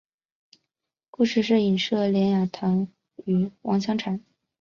故事是隐射连雅堂与王香禅。